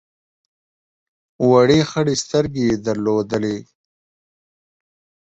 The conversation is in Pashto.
وړې خړې سترګې یې درلودې.